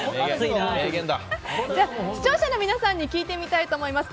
視聴者の皆さんに聞いてみたいと思います。